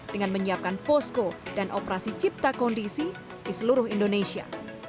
dengan menyiapkan posko dan operasi cipta kondisi di seluruh indonesia